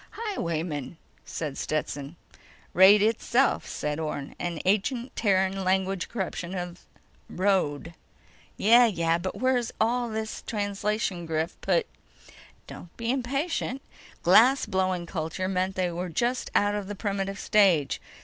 "Highwaymen," said Stetson. "Raid itself," said Orne. "An ancient Terran language corruption of road." "Yeah, yeah. But where'd all this translation griff put—" "Don't be impatient. Glass blowing culture meant they were just out of the primitive stage.